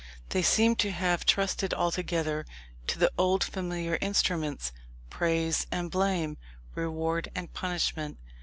They seemed to have trusted altogether to the old familiar instruments, praise and blame, reward and punishment.